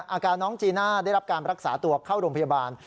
อาการน้องจีน่าได้รับการรักษาตัวเข้าโรงพยาบาล